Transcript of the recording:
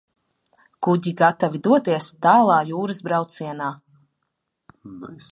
Kuģi gatavi doties tālā jūras braucienā.